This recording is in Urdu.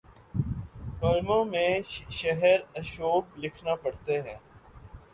کالموں میں شہر آشوب لکھنا پڑتے ہیں۔